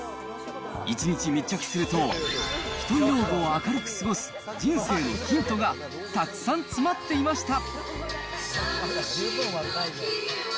一日密着すると、ひとり老後を明るく過ごす人生のヒントがたくさん詰まっていました。